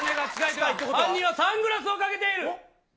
犯人はサングラスをかけている。